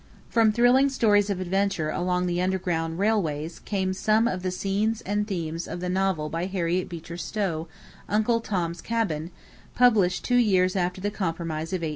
[Illustration: HARRIET BEECHER STOWE] From thrilling stories of adventure along the underground railways came some of the scenes and themes of the novel by Harriet Beecher Stowe, "Uncle Tom's Cabin," published two years after the Compromise of 1850.